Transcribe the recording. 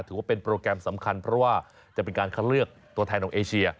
ถือว่าเป็นโปรแกรมสำคัญเพราะว่าจะเป็นการคัดเลือกตัวแทนของเอเชีย